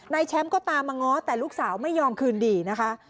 แชมป์ก็ตามมาง้อแต่ลูกสาวไม่ยอมคืนดีนะคะ